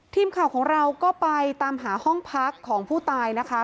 ทีมข่าวของเราก็ไปตามหาห้องพักของผู้ตายนะคะ